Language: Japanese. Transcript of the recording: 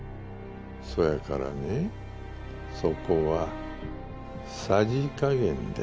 そやからねそこはさじ加減で。